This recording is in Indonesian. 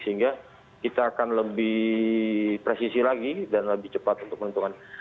sehingga kita akan lebih presisi lagi dan lebih cepat untuk menentukan